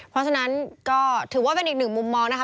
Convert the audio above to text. เพราะฉะนั้นก็ถือว่าเป็นอีกหนึ่งมุมมองนะคะ